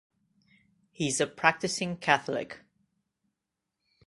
He's a practising Catholic.